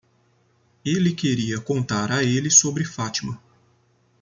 Ele queria contar a ele sobre Fátima.